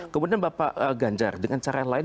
kemudian bapak ganjar dengan cara yang lain